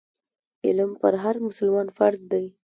علم پر هر مسلمان فرض دی.